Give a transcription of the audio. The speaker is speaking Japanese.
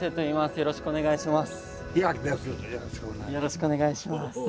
よろしくお願いします。